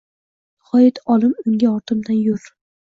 Nihoyat olim unga ortimdan yur